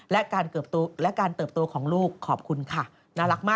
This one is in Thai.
และการเติบโตของลูกขอบคุณค่ะ